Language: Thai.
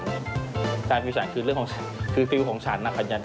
สไตล์ฟิวชันคือเรื่องของฉัน